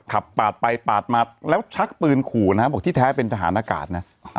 ขับปาดไปปาดมาแล้วชักปืนขู่นะฮะบอกที่แท้เป็นทหารอากาศนะ